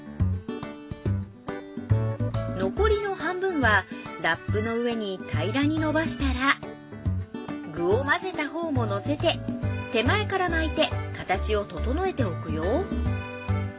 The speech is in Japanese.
残りの半分はラップの上に平らに伸ばしたら具を混ぜたほうものせて手前から巻いて形を整えておくよ。